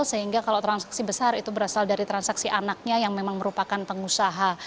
sehingga kalau transaksi besar itu berasal dari transaksi anaknya yang memang merupakan pengusaha